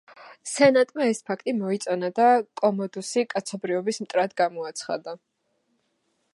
სენატმა ეს ფაქტი მოიწონა და კომოდუსი კაცობრიობის მტრად გამოაცხადა.